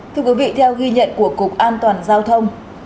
thưa quý vị theo ghi nhận của cục an toàn giao thông